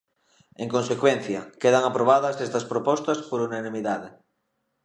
En consecuencia, quedan aprobadas estas propostas por unanimidade.